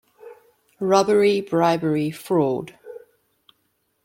Robbery, bribery, fraud